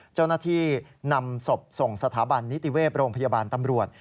เจ้าหน้าที่นำศพส่งสถาบันนิติเวศโรงพยาบาลตำรวจ